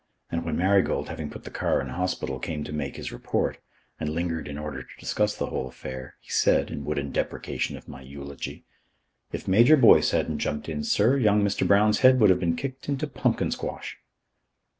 And when Marigold, having put the car in hospital, came to make his report, and lingered in order to discuss the whole affair, he said, in wooden deprecation of my eulogy: "If Major Boyce hadn't jumped in, sir, young Mr. Brown's head would have been kicked into pumpkin squash."